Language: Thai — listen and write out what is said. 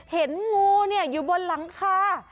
เห็นงูอยู่บนหลังคา